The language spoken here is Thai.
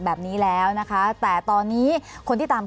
ภารกิจสรรค์ภารกิจสรรค์